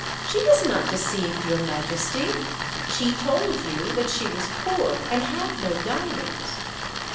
She has not deceived your majesty. She told you that she was poor and had no diamonds."